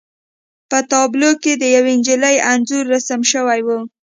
په تابلو کې د یوې نجلۍ انځور رسم شوی و